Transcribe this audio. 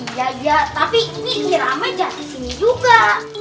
iya iya tapi ini diramai jatuh sini juga